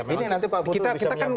ini nanti pak putu bisa menyampaikan